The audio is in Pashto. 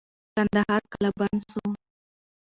کندهار قلابند سو.